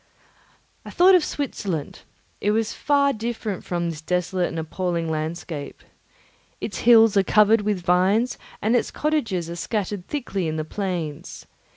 I thought of Switzerland; it was far different from this desolate and appalling landscape. Its hills are covered with vines, and its cottages are scattered thickly in the plains.